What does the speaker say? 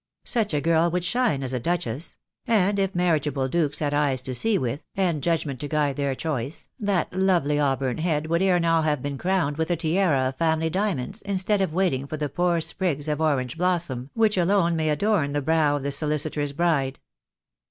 Such a girl would shine as a duchess; and if marriageable dukes had eyes to see with, and judgment to guide their choice, that lovely auburn head would ere now have been crowned with a tiara of family diamonds instead of waiting for the poor sprigs of orange blossom which alone may adorn the brow of the solicitor's bride.